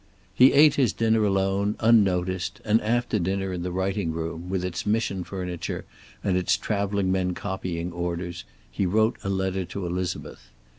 He ate his dinner alone, unnoticed, and after dinner, in the writing room, with its mission furniture and its traveling men copying orders, he wrote a letter to Elizabeth.